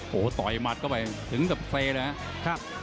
โหต่อยมัดเข้าไปถึงกับเซเลยนะครับครับ